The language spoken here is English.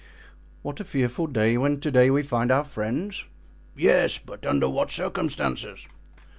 "What! a fearful day, when to day we find our friends?" "Yes; but under what circumstances?"